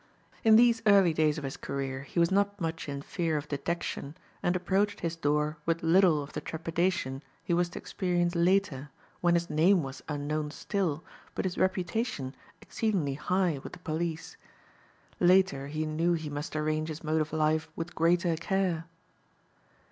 In these early days of his career he was not much in fear of detection and approached his door with little of the trepidation he was to experience later when his name was unknown still but his reputation exceedingly high with the police. Later he knew he must arrange his mode of life with greater care.